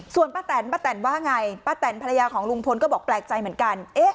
ส่วนป้าแตนป้าแตนว่าไงป้าแตนภรรยาของลุงพลก็บอกแปลกใจเหมือนกัน